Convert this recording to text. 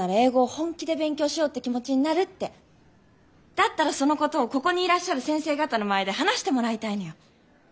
だったらそのことをここにいらっしゃる先生方の前で話してもらいたいのよ。